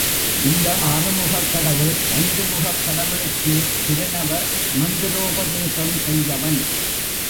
இந்த ஆறுமுகக் கடவுள் ஐந்து முகக் கடவுளுக்கே பிரணவ மந்திரோபதேசம் செய்தவன்.